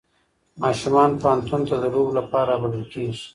ماشومان پوهنتون ته د لوبو لپاره رابلل کېږي.